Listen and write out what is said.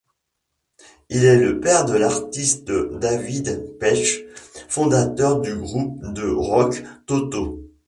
Il est le père de l'artiste David Paich, fondateur du groupe de rock Toto.